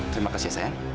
terima kasih sayang